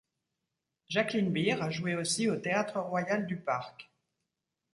Jacqueline Bir a joué aussi au Théâtre royal du Parc.